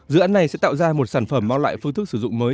dự án này sẽ tạo ra một sản phẩm mang lại phương thức sử dụng mới